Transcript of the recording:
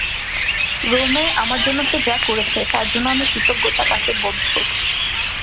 রোমে আমার জন্য সে যা করেছে, তার জন্য আমি কৃতজ্ঞতাপাশে বদ্ধ।